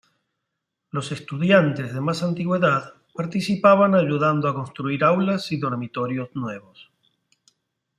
Los estudiantes de más antigüedad participaban ayudando a construir aulas y dormitorios nuevos.